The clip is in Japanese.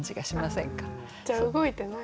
じゃあ動いてない。